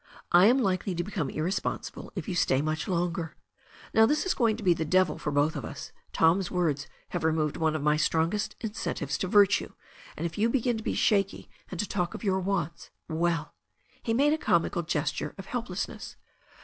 I am likely to become irresponsible if you stay much longer. Now this is going to be the devil for both of us. Tom's words have removed one of my strongest incentives to virtue, and if you begin to be shaky and to talk of your wants, well " He made a comical gesture of helplessness.